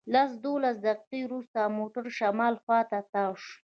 لس دولس دقیقې وروسته موټر شمال خواته تاو شو.